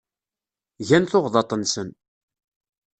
Gan tuɣdaṭ-nsen.